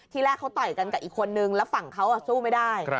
แรกเขาต่อยกันกับอีกคนนึงแล้วฝั่งเขาสู้ไม่ได้